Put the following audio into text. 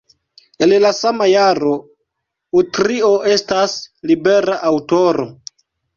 El la sama jaro Utrio estas libera aŭtoro.